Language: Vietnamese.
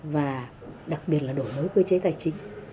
và đặc biệt là đổi mới cơ chế tài chính